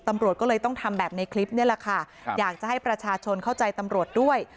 ตำรวจก็เลยต้องทำแบบในคลิปนี่แหละค่ะอยากจะให้ประชาชนเข้าใจตำรวจด้วย